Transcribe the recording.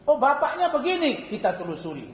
oh bapaknya begini kita telusuri